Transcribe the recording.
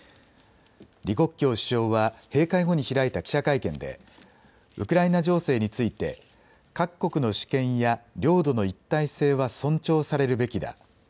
李克強首相は閉会後に開いた記者会見でウクライナ情勢について各国の主権や領土の一体性は尊重されるべきだ。